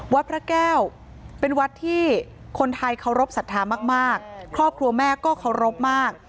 วัดพระแก้วเป็นวัดที่คนไทยเคารพสัทธามากมากครอบครัวแม่ก็เคารพมาก